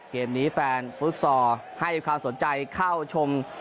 เกมนี้แฟนฟุตซอลให้ความสนใจเข้าชม